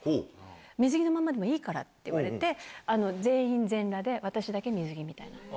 水着のままでいいからって言われて、全員全裸で、私だけ水着みたいな。